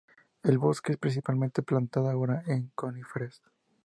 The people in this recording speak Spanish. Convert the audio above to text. El bosque es principalmente plantado ahora con coníferas.